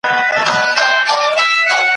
نیت او فکر دواړه هېر د آزادۍ سي `